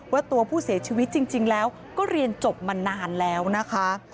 ว่าตัวผู้เสียชีวิตจริงแล้วก็เรียนจบมานานแล้วนะคะ